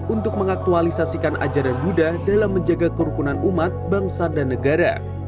untuk mengaktualisasikan ajaran buddha dalam menjaga kerukunan umat bangsa dan negara